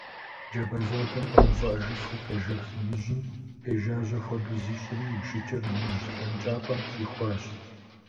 Джабэ задэм къэмыувыӀэжыфу къежэх иныжьым пежажьэ хуэдэу зищӀри, и бжыкӀыр иныжь лъэнкӀапӀэм хихуащ.